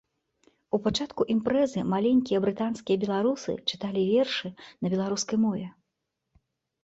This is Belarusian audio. У пачатку імпрэзы маленькія брытанскія беларусы чыталі вершы на беларускай мове.